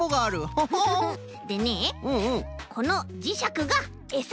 ホホ。でねこのじしゃくがエサ。